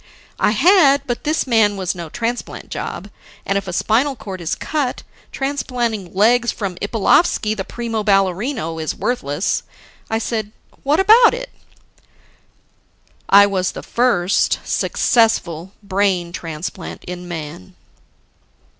I had. But this man was no transplant job. And if a spinal cord is cut, transplanting legs from Ippalovsky, the primo ballerino, is worthless. I said, "What about it?" "I was the first successful brain transplant in man."